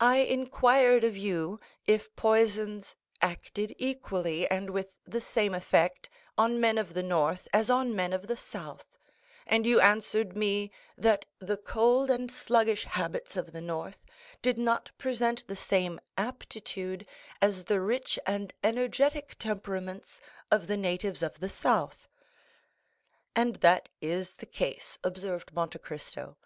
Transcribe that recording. "I inquired of you if poisons acted equally, and with the same effect, on men of the North as on men of the South; and you answered me that the cold and sluggish habits of the North did not present the same aptitude as the rich and energetic temperaments of the natives of the South." "And that is the case," observed Monte Cristo.